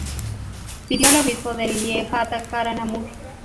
Pidió al obispo de Lieja atacara Namur.